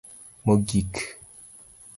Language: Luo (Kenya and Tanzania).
mogik